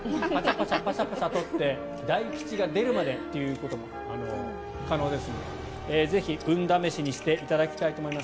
パシャパシャ撮って大吉が出るまでということも可能ですのでぜひ運試しにしていただきたいと思います。